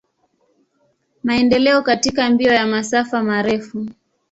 Maendeleo katika mbio ya masafa marefu.